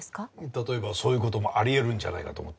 例えばそういう事もありえるんじゃないかと思ってね。